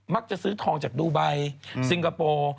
มักจะซื้อทองจากดูไบซิงกะโปร